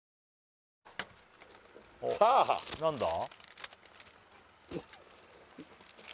さあ何だ